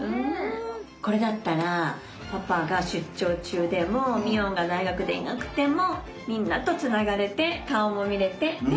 これだったらパパが出張中でもミオンが大学でいなくてもみんなとつながれて顔も見れてね。